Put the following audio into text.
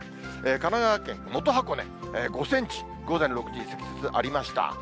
神奈川県元箱根、５センチ、午前６時に積雪ありました。